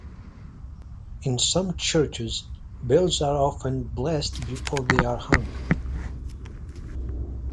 In some churches, bells are often blessed before they are hung.